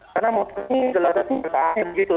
karena motor ini geladaknya berkah air gitu